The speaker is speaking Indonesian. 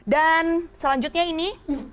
dan selanjutnya ini